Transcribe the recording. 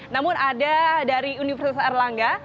namun ada dari universitas erlangga